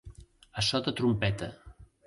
A so de trompeta.